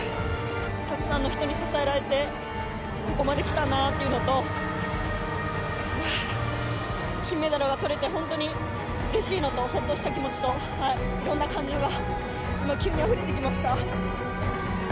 たくさんの人に支えられて、ここまで来たなというのと、金メダルがとれて本当にうれしいのと、ほっとした気持ちと、いろんな感情が今、急にあふれてきました。